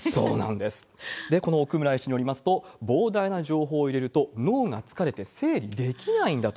で、この奥村医師によりますと、膨大な情報を入れると、脳が疲れて整理できないんだと。